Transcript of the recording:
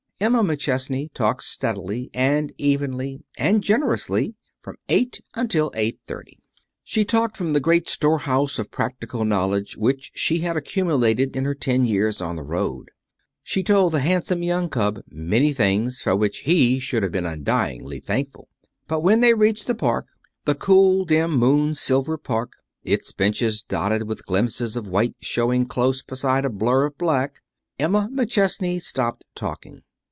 Emma McChesney talked steadily, and evenly, and generously, from eight until eight thirty. She talked from the great storehouse of practical knowledge which she had accumulated in her ten years on the road. She told the handsome young cub many things for which he should have been undyingly thankful. But when they reached the park the cool, dim, moon silvered park, its benches dotted with glimpses of white showing close beside a blur of black, Emma McChesney stopped talking.